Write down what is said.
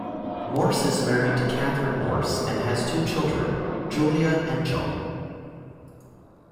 Morse is married to Kathryn Morse and has two children, Julia and John.